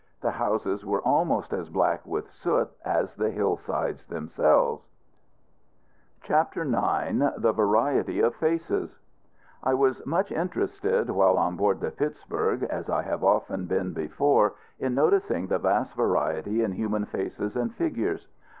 The houses were almost as black with soot as the hill sides themselves. [Illustration: POMEROY COAL MINES.] CHAPTER IX. THE VARIETY OF FACES. I was much interested, while on board the Pittsburg, as I have often been before, in noticing the vast variety in human faces and features.